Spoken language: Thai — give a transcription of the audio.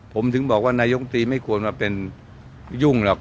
ผมถึงบอกว่านายกตรีไม่ควรมาเป็นยุ่งหรอก